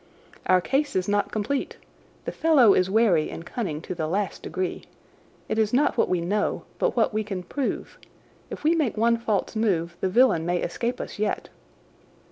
"Our case is not complete. The fellow is wary and cunning to the last degree. It is not what we know, but what we can prove. If we make one false move the villain may escape us yet."